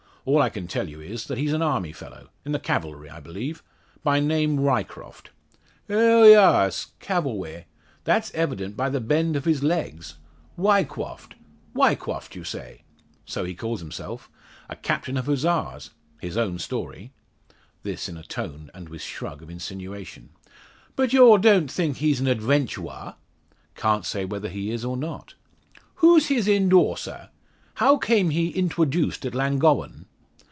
All I can tell you is, that he's an army fellow in the Cavalry I believe by name Ryecroft." "Aw yas; Cavalwy. That's evident by the bend of his legs. Wyquoft Wyquoft, you say?" "So he calls himself a captain of Hussars his own story." This in a tone and with a shrug of insinuation. "But yaw don't think he's an adventuwer?" "Can't say whether he is, or not." "Who's his endawser? How came he intwoduced at Llangowen?"